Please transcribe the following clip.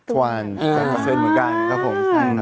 สเฟนเหมือนกันครับผม